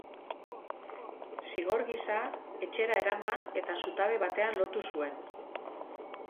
Zigor gisa, etxera eraman eta zutabe batean lotu zuen.